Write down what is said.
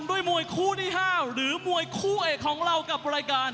ด้วยมวยคู่ที่๕หรือมวยคู่เอกของเรากับรายการ